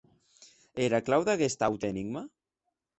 E era clau d’aguest aute enigma?